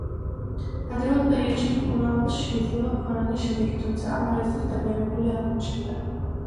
ადრეულ პერიოდში მკურნალობას შეიძლება ჰქონოდა შედეგი, თუმცა ამ დროისთვის დაგვიანებული აღმოჩნდა.